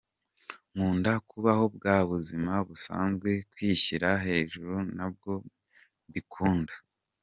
Nkunda kubaho bwa buzima busanzwe, kwishyira hejuru ntabwo mbikunda.